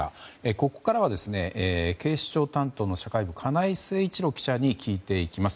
ここからは警視庁担当の社会部、金井誠一郎記者に聞いていきます。